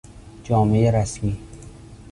جامهی رسمی